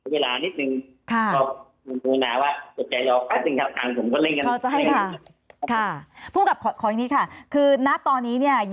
เผนินคำแพร่งการแพร่งการกรวยด่วนเลยครับเพราะว่าตอนนี้